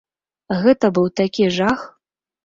Гэта быў такі жах.